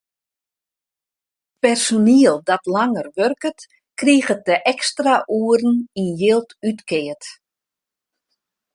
Personiel dat langer wurket, kriget de ekstra oeren yn jild útkeard.